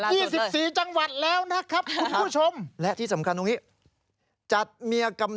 ข้อมูลล่าสุดเลยคุณผู้ชม๒๔จังหวัดแล้วนะครับ